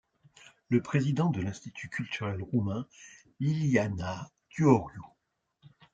Le président de l'Institut culturel roumain Liliana Țuroiu.